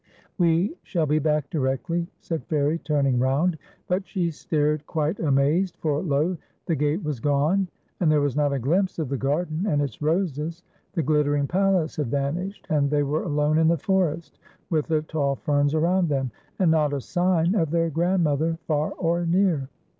" W'c shall be back directly," said Fairie, turning round, but she stared quite amazed, for lo I the gate was gone, there was not a glimpse of the garden and its roses, the glittering palace had vanished, and they were alone in the forest, with the tall ferns around them, and not a sign of their grandmother far or near.